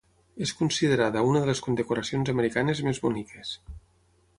És considerada una de les condecoracions americanes més boniques.